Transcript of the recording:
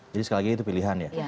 jadi sekali lagi itu pilihan ya